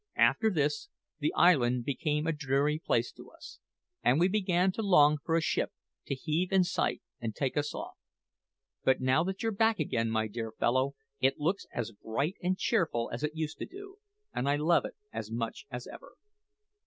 After this the island became a dreary place to us, and we began to long for a ship to heave in sight and take us off. But now that you're back again, my dear fellow, it looks as bright and cheerful as it used to do, and I love it as much as ever.